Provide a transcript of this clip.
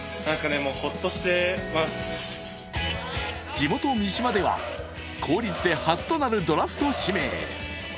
地元・三島では公立で初となるドラフト指名。